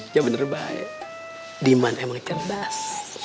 ya bener baik diman emang cerdas